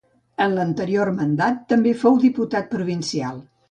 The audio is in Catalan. En l’anterior mandat també fou diputat provincial.